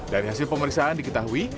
dari hasil pemeriksaan diketahui